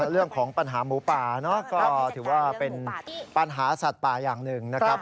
เรื่องของปัญหาหมูป่าก็ถือว่าเป็นปัญหาสัตว์ป่าอย่างหนึ่งนะครับ